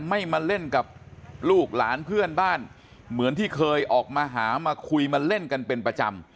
ไม่มาเล่นกับลูกหลานเพื่อนบ้านเหมือนที่เคยออกมาหามาคุยมาเล่นกันเป็นประจำ